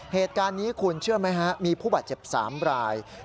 เหตุการณ์นี้คุณเชื่อไหมฮะมีผู้บาดเจ็บ๓ราย